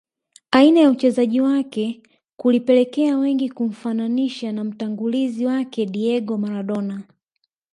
Aina ya uchezaji wake kulipelekea wengi kumfananisha na mtangulizi wake Diego Maradona